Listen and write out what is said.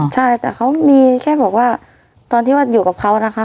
ใช่แต่เขามีแค่บอกว่าตอนที่ว่าอยู่กับเขานะคะ